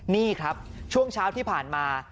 นี่ครับช่วงเช้าที่ผ่านมา